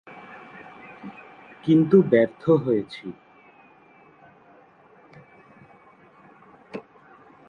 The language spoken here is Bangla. কিন্তু ব্যর্থ হয়েছি।